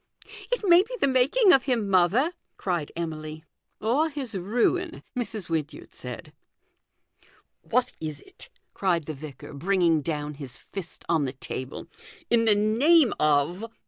" It may be the making of him, mother/' cried Emily. I o THE GOLDEN RULE. 283 " Or his ruin," Mrs. Wynyard said. " What is it," cried the vicar, bringing down his fist on the table, " in the name of